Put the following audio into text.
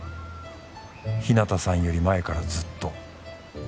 「日向さんより前からずっと」